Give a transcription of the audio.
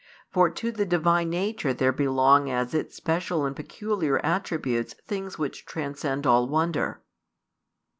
For to the Divine Nature there belong as its special and peculiar attributes things which transcend all wonder."